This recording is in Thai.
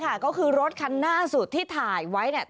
ค่ะก็คือรถคันหน้าสุดที่ถ่ายไว้เนี่ย